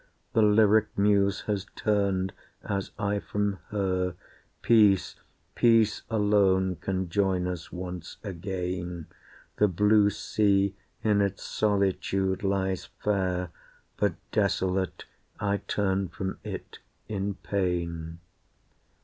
The Lyric Muse has turned, as I from her, Peace, Peace alone can join us once again, The blue sea in its solitude lies fair, But, desolate, I turn from it in pain.